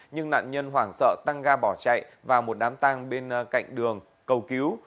nhưng nạn nhân hoảng sợ tăng ga bỏ chạy vào một đám tang bên cạnh đường cầu cứu